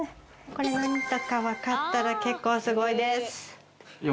これ何だか分かったら結構すごいですいや